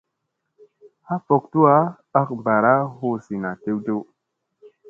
Ha fok tuwa ak ɓaara hu zina tew tew.